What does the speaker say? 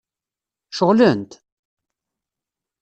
Ceɣlent?